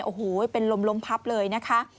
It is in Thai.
โอ้โหเป็นลมพับเลยนะคะ